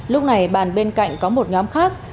lúc này bàn bên cạnh có một nhóm khác